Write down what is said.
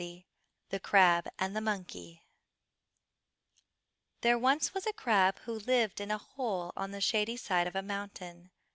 ] The Crab And The Monkey There was once a crab who lived in a hole on the shady side of a mountain.